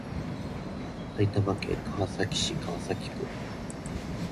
埼玉県川崎市川崎区